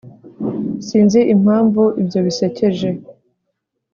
sinzi impamvu ibyo bisekeje